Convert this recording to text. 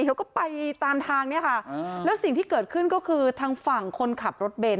เขาก็ไปตามทางเนี่ยค่ะแล้วสิ่งที่เกิดขึ้นก็คือทางฝั่งคนขับรถเบนท